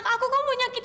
kamu ngapain di sini